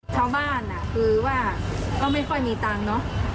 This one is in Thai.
ชาวบ้านคือว่าก็ไม่ค่อยมีตังค์เนอะ